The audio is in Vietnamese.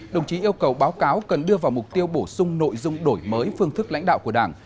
đồng chí yêu cầu báo cáo cần đưa vào mục tiêu bổ sung nội dung đổi mới phương thức lãnh đạo của đảng